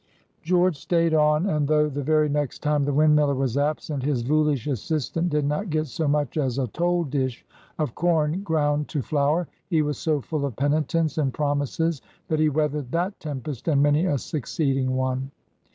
George stayed on, and though the very next time the windmiller was absent his "voolish" assistant did not get so much as a toll dish of corn ground to flour, he was so full of penitence and promises that he weathered that tempest and many a succeeding one.